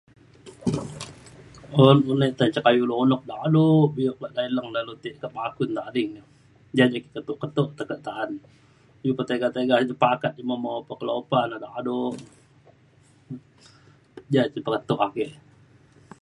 un [unintelligible] unuk dado bio [unintelligible] dulu ti [unintelligible] kak Bakun tading. ja je [unintelligible] keto keto tekak ta’an iu pe tiga tiga je pakat mo mo pe ke lu pe dado. ja je pekatuk ake.